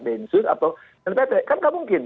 densus atau npp kan tidak mungkin